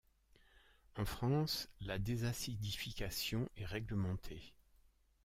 En France la désacidification est réglementée.